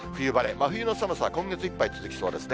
真冬の寒さ、今月いっぱい続きそうですね。